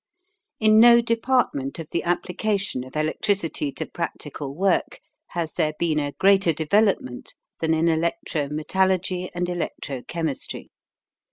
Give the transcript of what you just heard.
In no department of the application of electricity to practical work has there been a greater development than in electro metallurgy and electro chemistry.